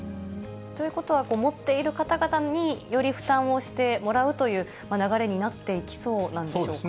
ということは、持っている方々に、より負担をしてもらうという流れになっていきそうなんでしょうか。